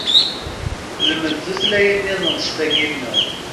Lmed tutlayin nniḍen s tagi nneɣ!